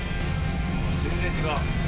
全然違う。